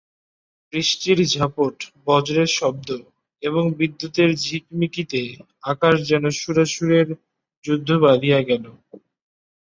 বৃষ্টির ঝাপট, বজ্রের শব্দ এবং বিদ্যুতের ঝিকমিকিতে আকাশে যেন সুরাসুরের যুদ্ধ বাধিয়া গেল।